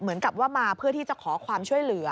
เหมือนกับว่ามาเพื่อที่จะขอความช่วยเหลือ